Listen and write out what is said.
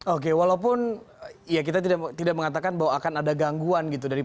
oke walaupun ya kita tidak mengatakan bahwa akan ada gangguan gitu